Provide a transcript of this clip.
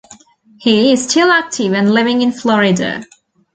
He is still active and living in Florida.